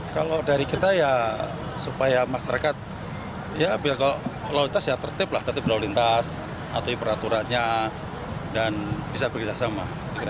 kalau dari kita ya supaya masyarakat ya biar kalau lalu lintas ya tertib lah tertib lalu lintas atau peraturannya dan bisa bekerjasama